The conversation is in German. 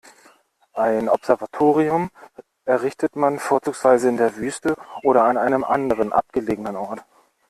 Ein Observatorium errichtet man vorzugsweise in der Wüste oder an einem anderen abgelegenen Ort.